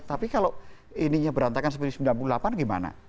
tapi kalau ininya berantakan seperti sembilan puluh delapan gimana